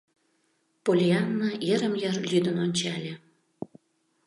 Поллианна йырым-йыр лӱдын ончале.